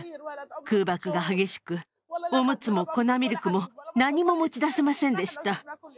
空爆が激しく、おむつも粉ミルクも何も持ち出せませんでした。